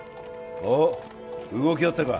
おっ動きあったか？